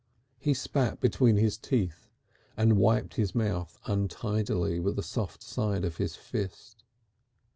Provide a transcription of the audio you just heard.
He spat between his teeth and wiped his mouth untidily with the soft side of his fist.